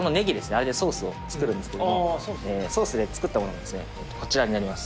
あれでソースを作るんですけどもソース作ったものがこちらになります